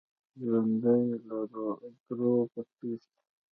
ژوندي له دروغو تښتي